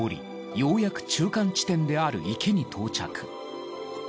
ようやく中間地点である池に到着。